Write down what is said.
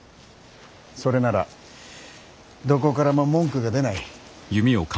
それならどこからも文句が出ない。